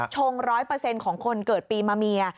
ชง๑๐๐ของคนเกิดปีมะเมีย